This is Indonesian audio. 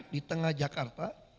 di tengah jakarta